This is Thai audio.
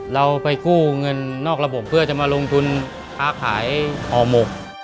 เราไปกู้เงินนอกระบบเพื่อจะมาลงทุนค้าขายห่อหมก